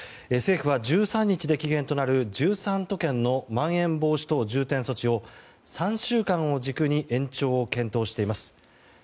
政府は１３日で期限となる１３都県のまん延防止等重点措置を３週間を軸に延長を検討しています。